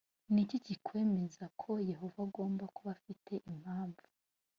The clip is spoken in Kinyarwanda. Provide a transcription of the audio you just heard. ni iki kitwemeza ko yehova agomba kuba afite impamvu?